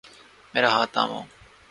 میرا ہاتھ تھامو۔